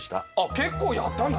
結構やったんだな。